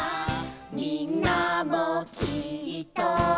「みんなもきっと」